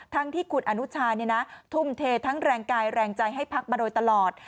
ทั้งที่คุณอนุชาทุ่มเททั้งแรงกายแรงใจให้พักมาโดยตลอด